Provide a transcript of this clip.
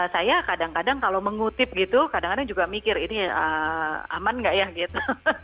saya kadang kadang kalau mengutip gitu kadang kadang juga mikir ini aman nggak ya gitu